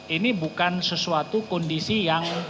ini bukan sesuatu kondisi yang